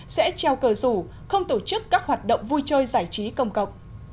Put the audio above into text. sẽ treo cờ rủ không tổ chức các hoạt động vui chơi giải trí công cộng